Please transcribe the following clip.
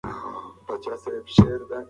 شریف د خپل پلار سترګو ته وکتل.